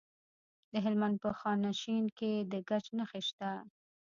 د هلمند په خانشین کې د ګچ نښې شته.